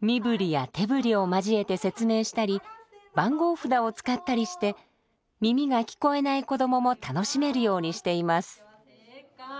身ぶりや手ぶりを交えて説明したり番号札を使ったりして耳が聞こえない子どもも楽しめるようにしています。